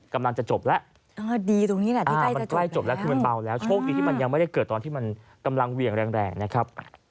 กำลังจะจบแล้วดีตรงนี้แหละดีแต่มันใกล้จบแล้วคือมันเบาแล้วโชคดีที่มันยังไม่ได้เกิดตอนที่มันกำลังเหวี่ยงแรงนะครับ